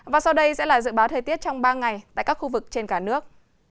và sau đây sẽ là dự báo thời tiết trong ba ngày tại các khu vực trên cả nước